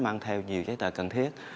mang theo nhiều giấy tờ cần thiết